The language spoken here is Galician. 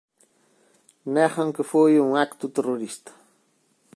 Negan que foi un acto terrorista.